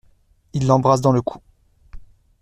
Il l’embrasse dans le cou.